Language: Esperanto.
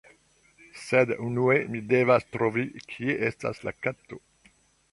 Sed unue mi devas trovi kie estas la kato